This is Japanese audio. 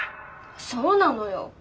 そうなのよ。